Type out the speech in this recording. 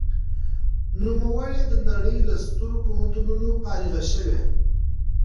نوموړي د نړۍ له سترو پوهنتونونو فارغ شوی دی.